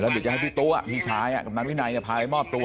เดี๋ยวจะให้พี่ตู้พี่ชายกำนันวินัยพาไปมอบตัว